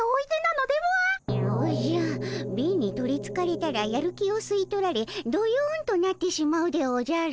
おじゃ貧に取りつかれたらやる気を吸い取られどよんとなってしまうでおじゃる。